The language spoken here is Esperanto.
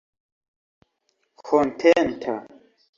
kontenta